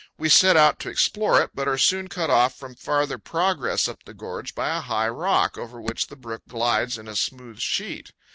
We set out to explore it, but are soon cut off from farther progress up the gorge by a high rock, over which the brook glides in a smooth sheet.